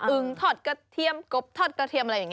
อึงทอดกระเทียมกบทอดกระเทียม